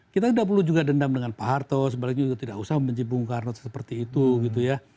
kita tidak perlu juga dendam dengan pak harto sebaliknya juga tidak usah membenci bung karno seperti itu gitu ya